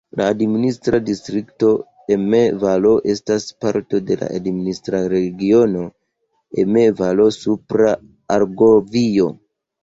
La administra distrikto Emme-Valo estas parto de la administra regiono Emme-Valo-Supra Argovio.